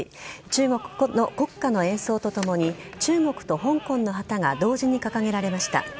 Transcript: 中国の国歌の演奏とともに中国と香港の旗が同時に掲げられました。